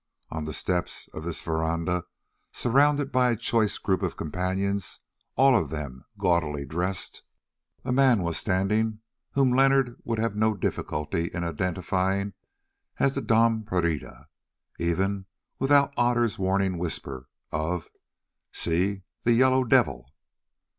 On the steps of this verandah, surrounded by a choice group of companions, all of them gaudily dressed, a man was standing whom Leonard would have had no difficulty in identifying as the Dom Pereira, even without Otter's warning whisper of "See! The Yellow Devil!"